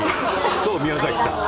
そう宮崎さん！